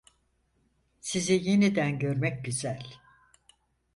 Sizi yeniden görmek güzel.